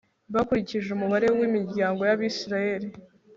bakurikije umubare w'imiryango y'abayisraheli